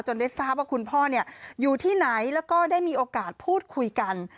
ได้ทราบว่าคุณพ่ออยู่ที่ไหนแล้วก็ได้มีโอกาสพูดคุยกัน